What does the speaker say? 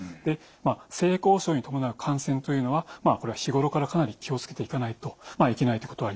性交渉に伴う感染というのはこれは日頃からかなり気を付けていかないといけないということはあります。